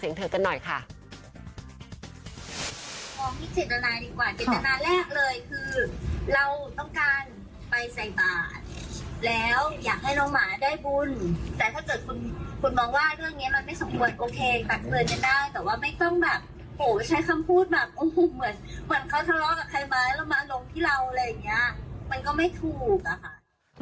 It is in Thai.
เหมือนเขาทะเลาะกับไข่ไม้แล้วมาลงที่เรามันก็ไม่ถูก